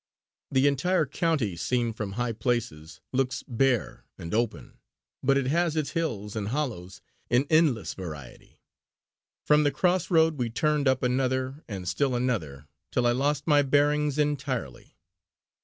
The entire county, seen from high places, looks bare and open; but it has its hills and hollows in endless variety. From the cross road we turned up another and still another, till I lost my bearings entirely.